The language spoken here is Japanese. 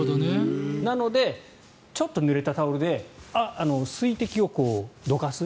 なので、ちょっとぬれたタオルで水滴をどかす。